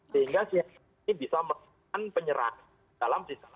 sehingga ini bisa menemukan penyerang dalam sistem